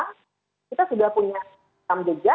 kita sudah punya tam jejak